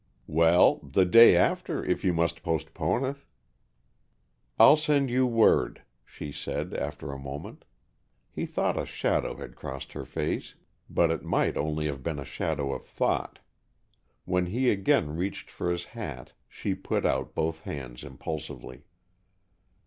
"Well, the day after, if you must postpone it." "I'll send you word," she said, after a moment. He thought a shadow had crossed her face, but it might only have been a shadow of thought. When he again reached for his hat, she put out both hands impulsively.